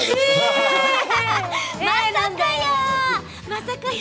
まさかや！